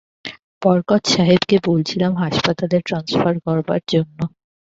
বরকত সাহেবকে বলছিলাম হাসপাতালে ট্রান্সফার করবার জন্যে।